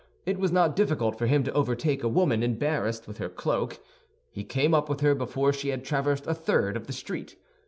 It was not difficult for him to overtake a woman embarrassed with her cloak. He came up with her before she had traversed a third of the street.